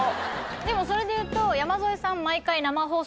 でもそれで言うと山添さん毎回。